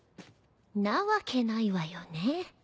なわけないわよね